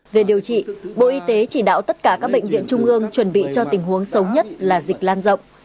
về điều trị bộ y tế chỉ đạo tất cả các bệnh viện trung ương chuẩn bị cho tình huống xấu nhất là dịch lan rộng